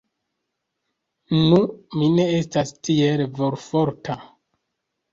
Nu, mi ne estas tiel volforta.